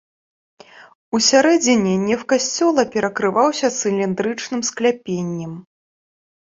Усярэдзіне неф касцёла перакрываўся цыліндрычным скляпеннем.